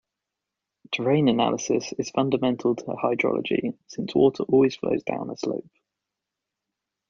Terrain analysis is fundamental to hydrology, since water always flows down a slope.